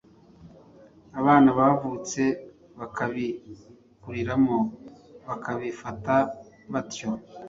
Abana bavutse bakabikuriramo, bakabifata batyo.